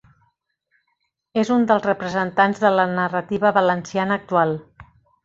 És un dels representants de la narrativa valenciana actual.